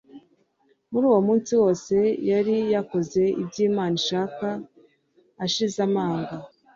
Muri uwo munsi wose yari yakoze ibyo Imana ishaka ashize amanga